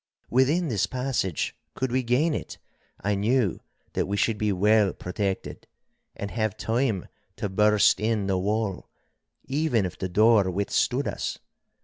Within this passage, could we gain it, I knew that we should be well protected, and have time to burst in the wall, even if the door withstood us.